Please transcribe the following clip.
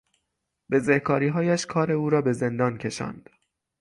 بزهکاریهایش کار او را به زندان کشاند.